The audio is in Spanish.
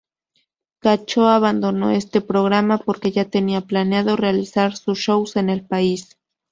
Cacho abandonó este programa porque ya tenía planeado realizar sus shows en el país.